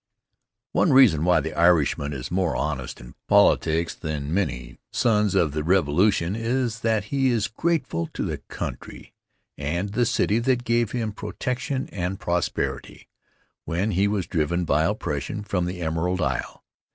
One reason why the Irishman is more honest in politics than many Sons of the Revolution is that he is grateful to the country and the city that gave him protection and prosperity when he was driven by oppression from the Emerald Isle.